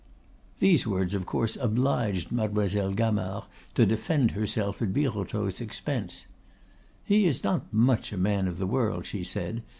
These words of course obliged Mademoiselle Gamard to defend herself at Birotteau's expense. "He is not much a man of the world," she said.